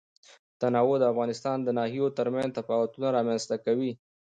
تنوع د افغانستان د ناحیو ترمنځ تفاوتونه رامنځ ته کوي.